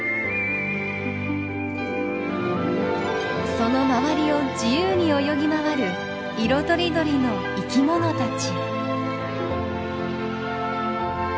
その周りを自由に泳ぎ回る色とりどりの生きものたち。